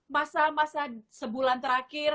masa masa sebulan terakhir